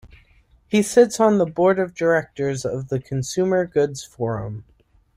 He sits on the Board of Directors of the Consumer Goods Forum.